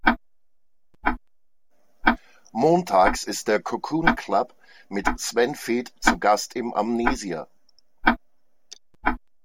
Montags ist der "Cocoon Club" mit Sven Väth zu Gast im Amnesia.